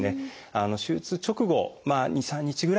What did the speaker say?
手術直後２３日ぐらいはですね